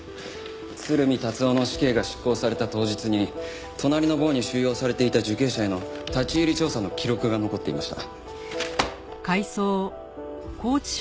鶴見達男の死刑が執行された当日に隣の房に収容されていた受刑者への立ち入り調査の記録が残っていました。